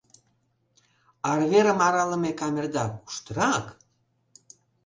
— Арверым аралыме камерда куштырак?